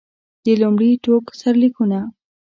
د لومړي ټوک سرلیکونه.